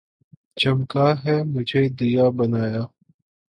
چمکا کے مجھے دیا بنا یا